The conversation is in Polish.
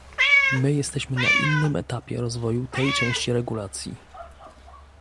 My jesteśmy na innym etapie rozwoju tej części regulacji